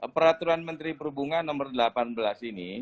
peraturan menteri perhubungan nomor delapan belas ini